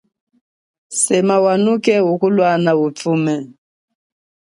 Sema wanuke ukulwana utume.